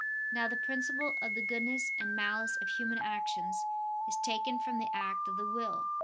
Now the principle of the goodness and malice of human actions is taken from the act of the will.